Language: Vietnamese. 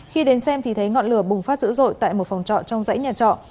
khi đến xem thì thấy ngọn lửa bùng phát dữ dội tại một phòng trọ trong dãy nhà trọ